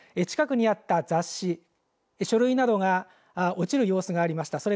近くにあった雑誌書類などが落ちる様子がありました。